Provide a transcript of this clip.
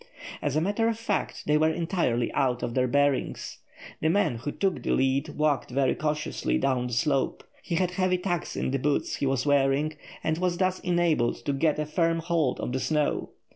As a matter of fact, they were entirely out of their bearings. The man who took the lead walked very cautiously down the slope. He had heavy tacks in the boots he was wearing, and was thus enabled to get a firm hold of the snow.